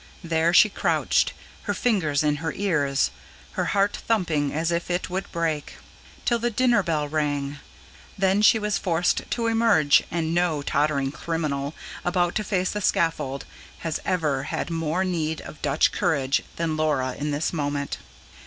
There she crouched, her fingers in her ears, her heart thumping as if it would break. Till the dinner bell rang. Then she was forced to emerge and no tottering criminal, about to face the scaffold, has ever had more need of Dutch courage than Laura in this moment.